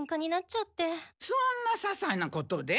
そんなささいなことで？